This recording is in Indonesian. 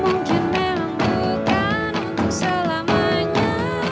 mungkin memang bukan untuk selamanya